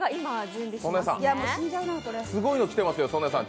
すごいの、来てますよ。